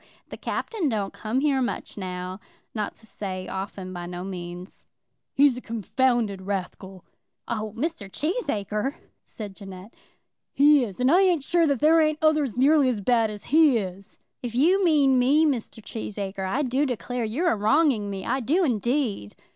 The Captain don't come here much now; not to say often, by no means." "He's a confounded rascal." "Oh, Mr. Cheesacre!" said Jeannette. "He is; and I ain't sure that there ain't others nearly as bad as he is." "If you mean me, Mr. Cheesacre, I do declare you're a wronging me; I do indeed."